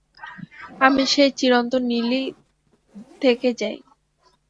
আমি সেই চিরন্তন নীলই থেকে যাই।